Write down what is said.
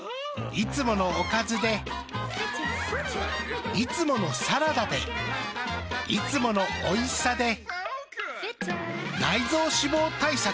いつものおかずでいつものサラダでいつものおいしさで内臓脂肪対策。